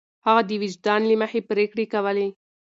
هغه د وجدان له مخې پرېکړې کولې.